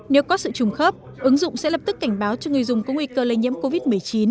nếu có sự trùng khớp ứng dụng sẽ lập tức cảnh báo cho người dùng có nguy cơ lây nhiễm covid một mươi chín